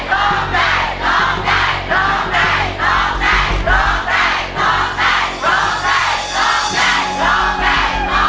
ร้องได้ร้องได้